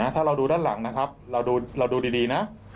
ถ้าเราดูด้านหลังนะครับเราดูดีนะ